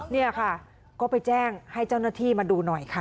นี่ค่ะก็ไปแจ้งให้เจ้าหน้าที่มาดูหน่อยค่ะ